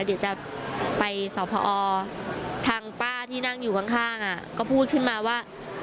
เดี๋ยวจะไปสอบพอทางป้าที่นั่งอยู่ข้างก็พูดขึ้นมาว่า